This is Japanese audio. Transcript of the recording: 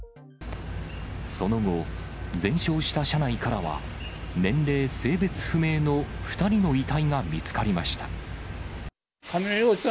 その後、全焼した車内からは、年齢、性別不明の２人の遺体が見つかりました。